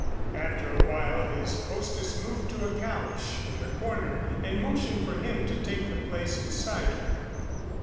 After a while his hostess moved to a couch in the corner and motioned for him to take the place beside her.